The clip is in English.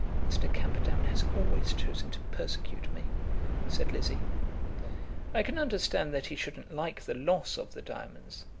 "Mr. Camperdown has always chosen to persecute me," said Lizzie. "I can understand that he shouldn't like the loss of the diamonds.